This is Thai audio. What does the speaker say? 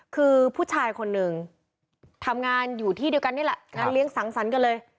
คือผู้ชายคนหนึ่งทำงานอยู่ที่เดียวกันนี่แหละงานเลี้ยงสังสรรค์กันเลย